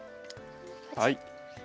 はい。